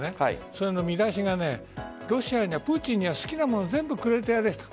その見出しがロシアには、プーチンには好きなものを全部くれてやれと。